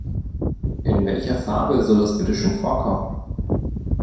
In welcher Fabel soll das bitteschön vorkommen?